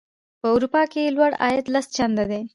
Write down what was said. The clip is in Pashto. په اروپا کې لوړ عاید لس چنده دی.